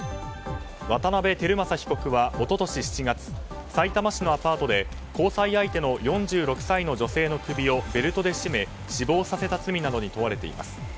渡部晃正被告は一昨年７月さいたま市のアパートで交際相手の４６歳の女性の首をベルトで絞め死亡させた罪などに問われています。